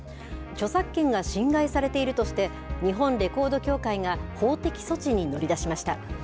著作権が侵害されているとして日本レコード協会が法的措置に乗り出しました。